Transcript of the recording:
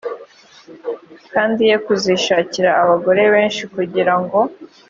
kandi ye kuzishakira abagore benshi kugira ngo